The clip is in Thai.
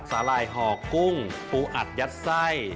หล่ายห่อกุ้งปูอัดยัดไส้